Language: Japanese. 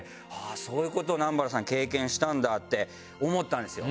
そういう事を南原さん経験したんだって思ったんですよ。